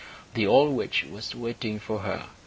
The old witch was waiting for her.